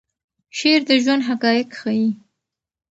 شعر د ژوند حقایق ښیي.